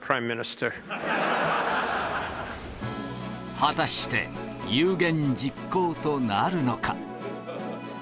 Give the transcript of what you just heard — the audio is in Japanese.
果たして、有言実行となるのか。